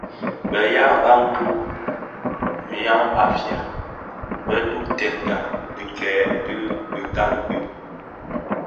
Bi yaa Bantu (yan Bafia) bo dhubtènga dhikèè bi dhikali dü,